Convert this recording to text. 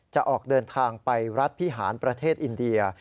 จะออกเดินทางไปรัฐพิหารประเทศอินเดีย